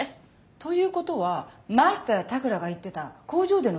ということはマスター田倉が言ってた工場での調整の問題？